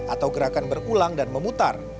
atau gerakan berulang dan memutar